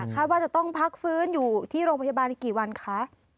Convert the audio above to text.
ว่าจะต้องพักฟื้นอยู่ที่โรงพยาบาลอีกกี่วันคะ